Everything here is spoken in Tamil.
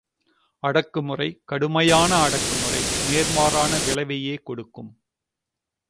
அடக்குமுறை, கடுமையான அடக்குமுறை நேர்மாறான விளைவையே கொடுக்கும்.